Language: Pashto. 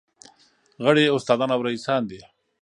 غړي یې استادان او رییسان دي.